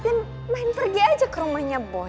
mungkin main pergi aja ke rumahnya boy